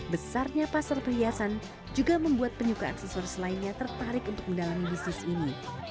besarnya pasar perhiasan juga membuat penyuka aksesoris lainnya tertarik untuk mendalami bisnis ini